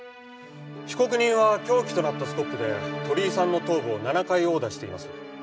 被告人は凶器となったスコップで鳥居さんの頭部を７回殴打しています。